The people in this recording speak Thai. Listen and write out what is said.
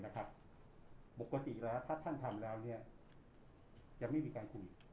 นะครับปกติแล้วถ้าท่านทำแล้วเนี้ยยังไม่มีการคุย